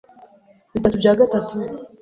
bitatu bya gatatu